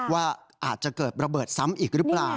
ว่าอาจจะเกิดระเบิดซ้ำอีกหรือเปล่า